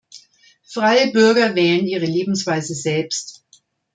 Freie Bürger wählen Ihre Lebensweise selbst.